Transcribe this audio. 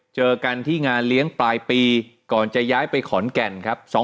เจอกันที่งานเลี้ยงปลายปีก่อนจะย้ายไปขอนแก่นครับ